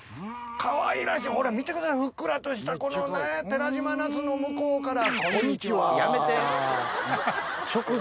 かわいらしいほら見てくださいふっくらとしたこのね寺島ナスの向こうから。